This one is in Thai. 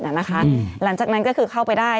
หลังจากนั้นก็คือเข้าไปได้